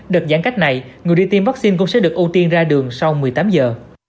đợt giãn cách này người đi tiêm vaccine cũng sẽ được ưu tiên ra đường sau một mươi tám giờ